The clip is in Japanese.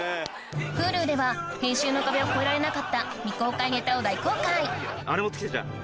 Ｈｕｌｕでは編集の壁を越えられなかった未公開ネタを大公開あれ持ってきてじゃあ。